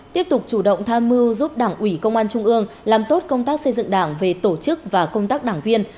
tiếp tục chủ động tham mưu giúp đảng ủy công an trung ương làm tốt công tác xây dựng đảng về tổ chức và công tác đảng viên